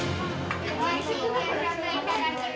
美味しい給食いただきます。